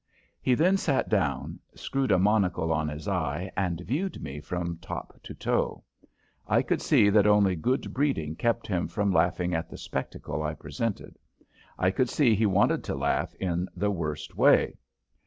He then sat down, screwed a monocle on his eye, and viewed me from top to toe. I could see that only good breeding kept him from laughing at the spectacle I presented. I could see he wanted to laugh in the worst way.